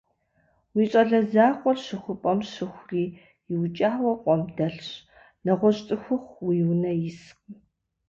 Уи щӀалэ закъуэр щыхупӀэм щыхури, иукӀауэ къуэм дэлъщ. НэгъуэщӀ цӀыхухъу уи унэ искъым.